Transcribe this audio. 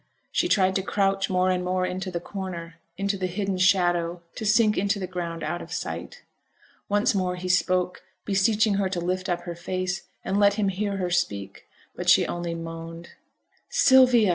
She tried to crouch more and more into the corner, into the hidden shadow to sink into the ground out of sight. Once more he spoke, beseeching her to lift up her face, to let him hear her speak. But she only moaned. 'Sylvia!'